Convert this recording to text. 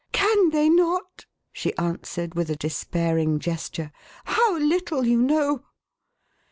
"Can they not?" she answered, with a despairing gesture. "How little you know!